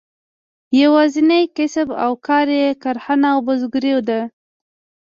یوازینی کسب او کار یې کرهڼه او بزګري ده.